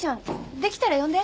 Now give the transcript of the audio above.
できたら呼んで。